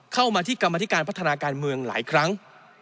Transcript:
เข้ามาที่กรรมธิการพัฒนาการเมืองหลายครั้ง